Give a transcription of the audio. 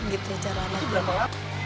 gitu cara latih